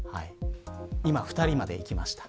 今、２人までいきました。